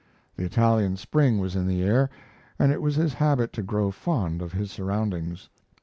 The Italian spring was in the air, and it was his habit to grow fond of his surroundings.